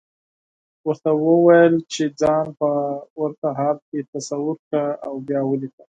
ورته وويل چې ځان په ورته حال کې تصور کړه او بيا وليکه.